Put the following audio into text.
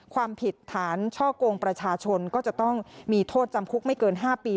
ความผิดฐานช่อกงประชาชนก็จะต้องมีโทษจำคุกไม่เกิน๕ปี